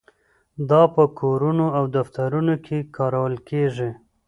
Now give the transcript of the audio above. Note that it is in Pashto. دا په کورونو او دفترونو کې کارول کیږي.